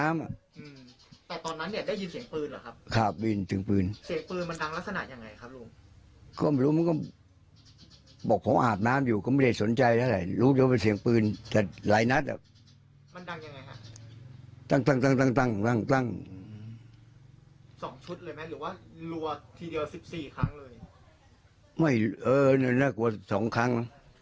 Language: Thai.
ไม่น่ากลัว๒ครั้ง